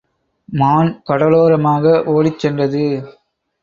மான் கடலோரமாக ஓடிச் சென்றது.